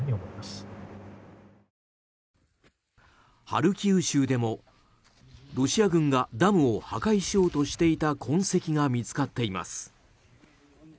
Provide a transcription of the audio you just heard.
ハルキウ州でも、ロシア軍がダムを破壊しようとしていた痕跡が見つかっています。